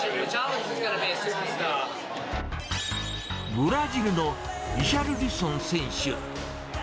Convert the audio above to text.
ブラジルのリシャルリソン選手。